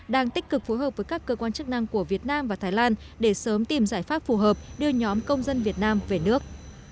đang tích cực phối hợp với các cơ quan chức năng của việt nam và thái lan để sớm tìm giải pháp phù hợp đưa nhóm công dân việt nam về nước